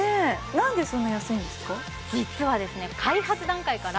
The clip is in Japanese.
なんでそんな安いんですか？